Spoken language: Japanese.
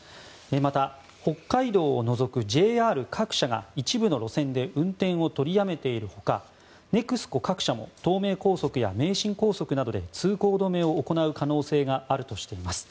また、北海道を除くＪＲ各社が一部の路線で運転を取りやめているほかネクスコ各社も東名高速や名神高速などで通行止めを行う可能性があるとしています。